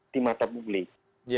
di mata publik